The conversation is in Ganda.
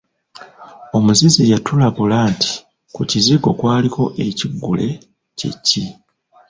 Omuzizi yatulabula nti ku kizigo kwaliko ekigule kye ki?